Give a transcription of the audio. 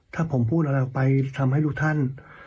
ถ้าผมพูดอะไรออกไปทำให้ทุกท่าน